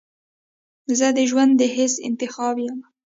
زه دژوند د حسن انتخاب یمه